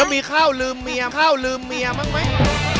มีข้าวลืมเมียข้าวลืมเมียบ้างไหม